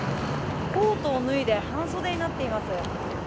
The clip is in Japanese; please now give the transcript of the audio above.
コートを脱いで半袖になっています。